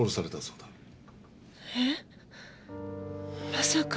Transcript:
まさか。